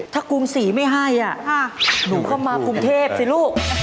ถ้ากรุงศรีไม่ให้หนูเข้ามากรุงเทพสิลูก